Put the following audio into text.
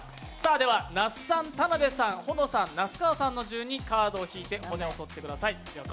那須さん、田辺さん、保乃さん名須川さんの順でカードを引いて骨を取ってください。